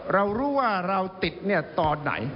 เรารู้ว่าเราติดตอนไหน